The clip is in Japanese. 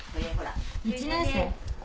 １年生？